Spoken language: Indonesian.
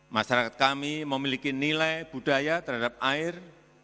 masyarakat kami memiliki nilai budaya terhadap air